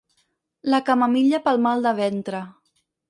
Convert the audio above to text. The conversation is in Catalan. La camamilla pel mal de ventre.